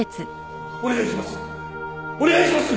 お願いします！